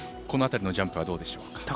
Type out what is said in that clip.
この辺りのジャンプはどうでしたか？